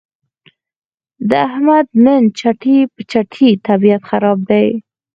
د احمد نن چټي په چټي طبیعت خراب دی.